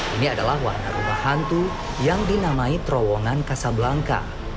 ini adalah wahana rumah hantu yang dinamai terowongan casablanca